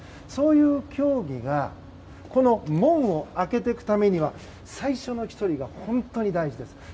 そういう競技がこの門を開けていくためには最初の１人が本当に大事です。